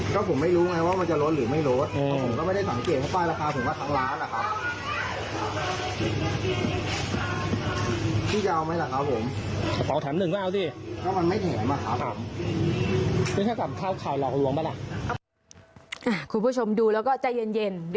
ก็ผมไม่รู้ไงว่ามันจะลดหรือไม่ลด